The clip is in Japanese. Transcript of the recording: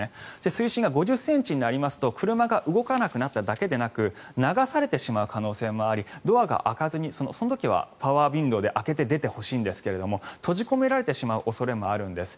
水深が５０ｃｍになりますと車が動かなくなっただけでなく流されてしまう可能性もありドアが上がずにその時はパワーウィンドーで開けてほしいんですが閉じ込められてしまう恐れもあるんです。